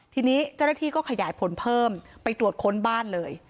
ทีนี้เจ้าหน้าที่ก็ขยายผลเพิ่มไปตรวจค้นบ้านเลย